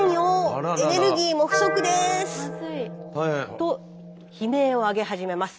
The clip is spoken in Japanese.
と悲鳴を上げ始めます。